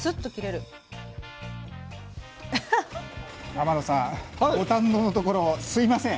天野さんご堪能のところすいません。